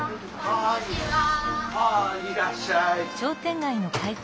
ああいらっしゃい。